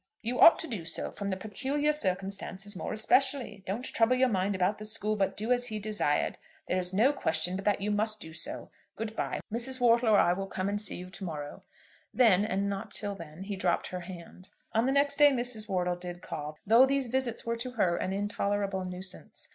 "You ought to do so, from the peculiar circumstances more especially. Don't trouble your mind about the school, but do as he desired. There is no question but that you must do so. Good bye. Mrs. Wortle or I will come and see you to morrow." Then, and not till then, he dropped her hand. On the next day Mrs. Wortle did call, though these visits were to her an intolerable nuisance.